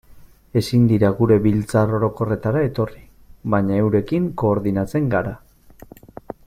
Ezin dira gure biltzar orokorretara etorri, baina eurekin koordinatzen gara.